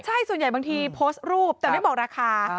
ใช่ส่วนใหญ่บางทีโพสต์รูปแต่ไม่บอกราคา